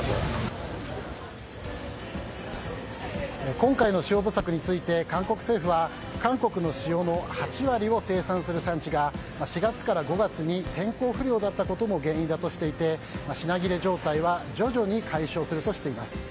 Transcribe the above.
今回の塩不足について韓国政府は韓国の塩の８割を生産する産地が４月から５月に天候不良だったことも原因だとしていて品切れ状態は徐々に解消するとしています。